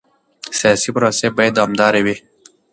سیاسي پروسې باید دوامداره وي